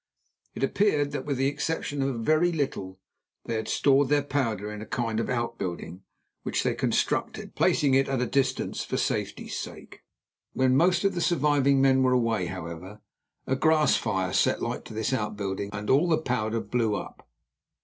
It appeared that, with the exception of a very little, they had stored their powder in a kind of outbuilding which they constructed, placing it at a distance for safety's sake. When most of the surviving men were away, however, a grass fire set light to this outbuilding and all the powder blew up.